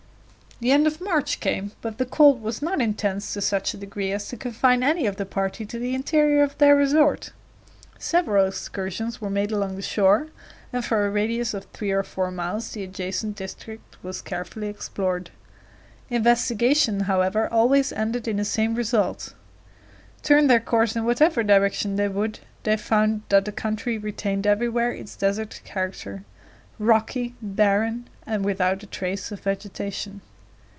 The end of March came, but the cold was not intense to such a degree as to confine any of the party to the interior of their resort; several excursions were made along the shore, and for a radius of three or four miles the adjacent district was carefully explored. Investigation, however, always ended in the same result; turn their course in whatever direction they would, they found that the country retained everywhere its desert character, rocky, barren, and without a trace of vegetation.